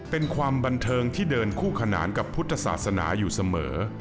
เป็นความบันเทิงที่เดินคู่ขนานกับพุทธศาสนาอยู่เสมอ